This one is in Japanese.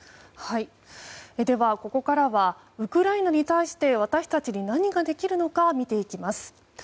では、ここからはウクライナに対して私たちに何ができるのか見ていきます。